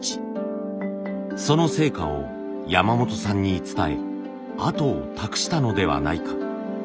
その成果を山本さんに伝え後を託したのではないか。